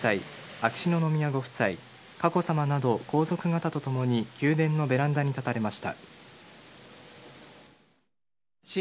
秋篠宮ご夫妻佳子さまなど皇族方ともに宮殿のベランダに立たれました。